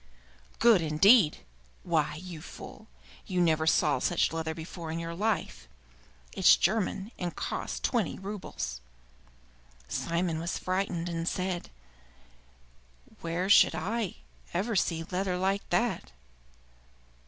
"Good, indeed! Why, you fool, you never saw such leather before in your life. It's German, and cost twenty roubles." Simon was frightened, and said, "Where should I ever see leather like that?"